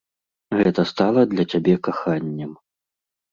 Гэта стала для цябе каханнем.